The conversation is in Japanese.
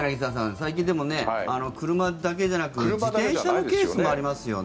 最近、車だけじゃなくて自転車のケースもありますよね。